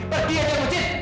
pergi aja mucit